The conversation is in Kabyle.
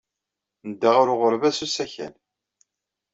Nedda ɣer uɣerbaz s usakal.